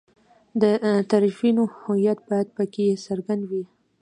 د طرفینو هویت باید په کې څرګند وي.